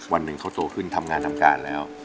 วันหนึ่งเขาโตขึ้นทำงานทำการแล้ว